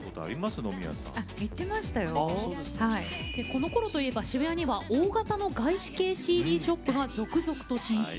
このころといえば渋谷には大型の外資系ＣＤショップが続々と進出。